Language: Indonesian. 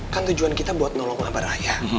kan tujuan kita buat nolong abah raya